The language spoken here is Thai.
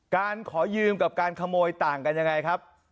การขอยืมกับการขโมยต่างกันยังไงครับ